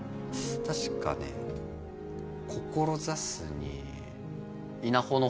確かね「志す」に稲穂の「穂」？